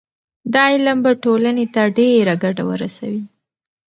دا علم به ټولنې ته ډېره ګټه ورسوي.